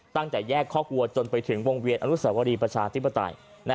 ตั้งแต่แยกคอกวัวจนไปถึงวงเวียนอนุสาวรีประชาธิปไตย